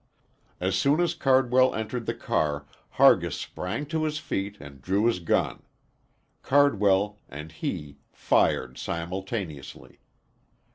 As soon as Cardwell entered the car Hargis sprang to his feet and drew his gun. Cardwell and he fired simultaneously.